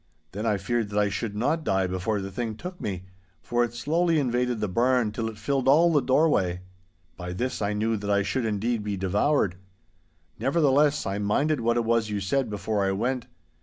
Then I feared that I should not die before the thing took me, for it slowly invaded the barn till it filled all the doorway. By this I knew that I should indeed be devoured. Nevertheless, I minded what it was you said before I went.